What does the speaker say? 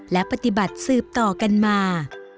และปฏิบัติสืบต่อกันมา